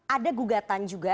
ada gugatan juga